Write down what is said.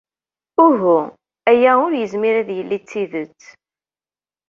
Uhu, aya ur yezmir ad yili d tidet.